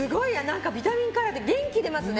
ビタミンカラーで元気出ますね。